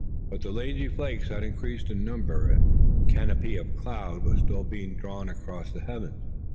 But the lazy flakes had increased in number, and the canopy of cloud was still being drawn across the heavens.